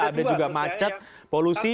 ada juga macet polusi